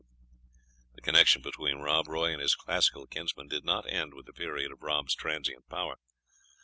The connection between Rob Roy and his classical kinsman did not end with the period of Rob's transient power.